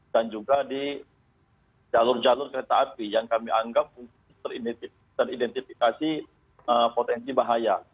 dan juga di jalur jalur kereta api yang kami anggap teridentifikasi potensi bahaya